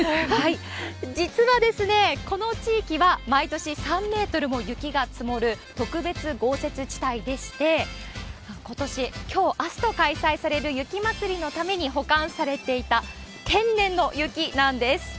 実はですね、この地域は毎年３メートルも雪が積もる、特別豪雪地帯でして、ことし、きょう、あすと開催される雪まつりのために保管されていた天然の雪なんです。